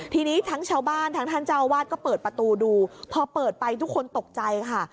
ทีนี้ทั้งชาวบ้านทั้งท่านเจ้าอาวาสก็เปิดประตูดูพอเปิดไปทุกคนตกใจค่ะ